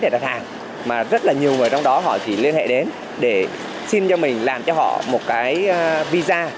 để đặt hàng mà rất là nhiều người trong đó họ chỉ liên hệ đến để xin cho mình làm cho họ một cái visa